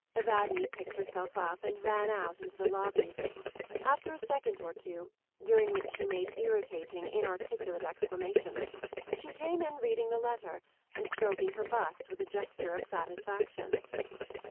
Evadne picked herself up and ran out Into the lobby. After a second or two, during which she made irritating inarticulate exclamations, she came in reading the letter and stroking her bust with a gesture of satisfaction.